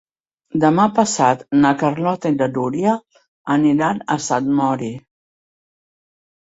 Demà passat na Carlota i na Núria aniran a Sant Mori.